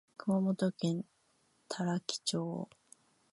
熊本県多良木町